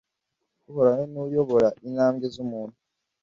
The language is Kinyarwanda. uhoraho ni we uyobora intambwe z'umuntu